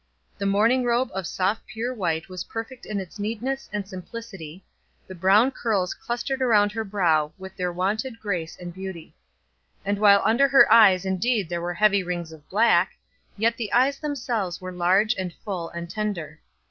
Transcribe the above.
The morning robe of soft pure white was perfect in its neatness and simplicity, the brown curls clustered around her brow with their wonted grace and beauty, and while under her eyes indeed there were heavy rings of black, yet the eyes themselves were large and full and tender.